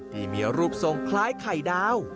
ที่มีรูปทรงคล้ายไข่ดาว